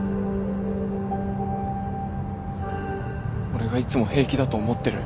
俺がいつも平気だと思ってる？